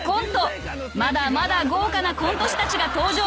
［まだまだ豪華なコント師たちが登場］